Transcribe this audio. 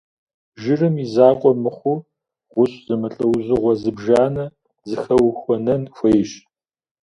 Жырым и закъуэ мыхъуу, гъущӏ зэмылӏэужьыгъуэ зыбжанэ зэхэухуэнэн хуейщ.